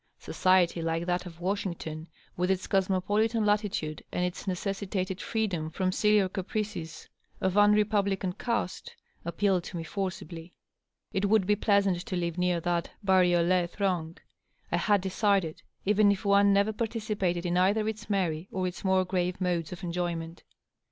Society like that of Washington, with its cosmopolitan latitude and its necessitated freedom from sillier caprices of unrepublican caste, appealed to me forcibly. It would be pleasant to live near that baruM throng, I had decided, even if one never participated in either. its merry or its more grave modes of en joyment.